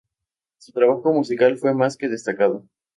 Su trabajo musical fue más que destacado.